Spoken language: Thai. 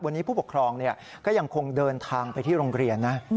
วันนี้ผู้ปกครองก็ยังคงเดินทางไปที่โรงเรียนนะ